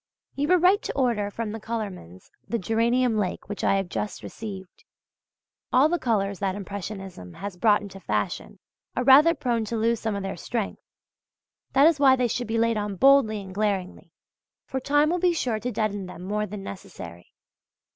You were right to order from the colourman's the geranium lake which I have just received. All the colours that Impressionism has brought into fashion, are rather prone to lose some of their strength. That is why they should be laid on boldly and glaringly; for time will be sure to deaden them more than necessary.